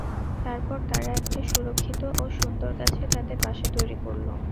তারপর তারা একটা সুরক্ষিত ও সুন্দর গাছে তাদের বাসা তৈরী করল।